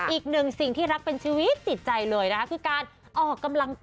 อีกหนึ่งสิ่งที่รักเป็นชีวิตจิตใจเลยนะคะคือการออกกำลังกาย